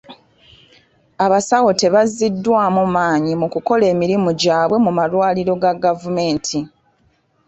Abasawo tebaziddwamu maanyi mu kukola emirimu gyabwe mu malwaliro ga gavumenti.